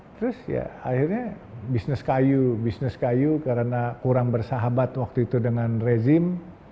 terus ya akhirnya bisnis kayu bisnis kayu karena kurang bersahabat waktu itu dengan rezim